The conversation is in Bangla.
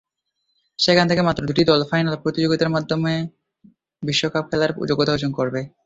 সেখান থেকে মাত্র দুটি দল ফাইনাল প্রতিযোগিতার মধ্যদিয়ে বিশ্বকাপ খেলার যোগ্যতা অর্জন করবে।